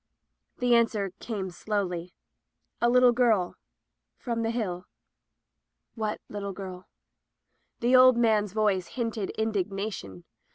The answer came slowly — "A little girl— from the Hill." "What little girl?" The old man's voice hinted indignation.